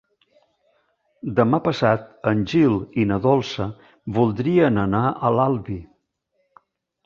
Demà passat en Gil i na Dolça voldrien anar a l'Albi.